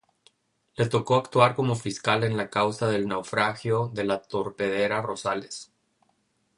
Le tocó actuar como fiscal en la causa del naufragio de la torpedera Rosales.